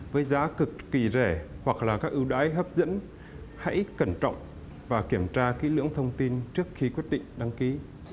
và kiểm tra kỹ lưỡng thông tin trước khi quyết định đăng ký